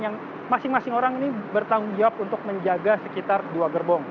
yang masing masing orang ini bertanggung jawab untuk menjaga sekitar dua gerbong